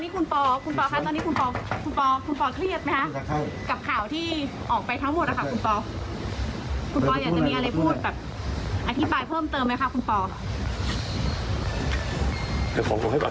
คือตอนนี้คุณปอล์คุณปอล์ค่ะตอนนี้คุณปอล์